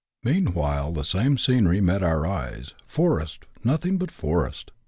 Meanwhile tiiu siiuie scenery met our eyes — forest, nothing but foix'st.